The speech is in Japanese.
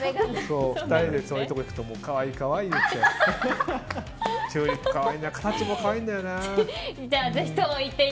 ２人でそういうとこ行くと可愛い可愛い言って。